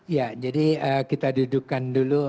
ya jadi kita dudukkan dulu